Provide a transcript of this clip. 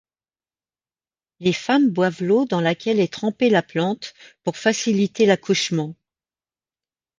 Les femmes boivent l'eau dans laquelle est trempée la plante pour faciliter l'accouchement.